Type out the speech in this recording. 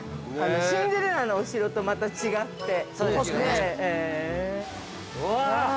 ◆シンデレラのお城とまた違って。